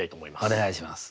お願いします。